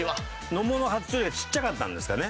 野茂の初勝利がちっちゃかったんですかね？